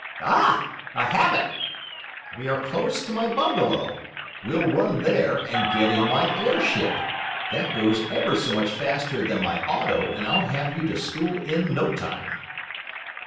Ha! I have it! We are close to my bungalow. We'll run there and get in my airship. That goes ever so much faster than my auto, and I'll have you to school in no time."